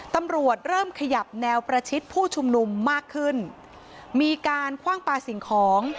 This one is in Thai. ตำรวจเริ่มขยับแนวประชิดผู้ชุมนุมมากขึ้นมีการคว่างปลาสิ่งของ